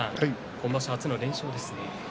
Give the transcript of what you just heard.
今場所、初の連勝ですね。